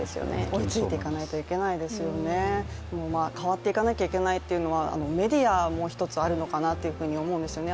追いついていかないといけないですよね、変わっていかなきゃいけないというのはメディアもひとつあるのかなというふうに思うんですね。